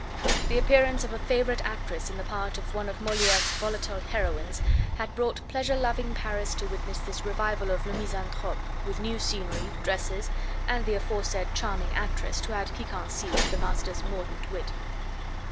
The appearance of a favourite actress in the part of one of Moliere's volatile heroines had brought pleasure loving Paris to witness this revival of "Le Misanthrope," with new scenery, dresses, and the aforesaid charming actress to add piquancy to the master's mordant wit.